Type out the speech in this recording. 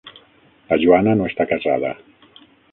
La Joana no està casada.